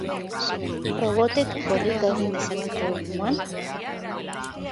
Robotek korrika egin dezakete, orduan?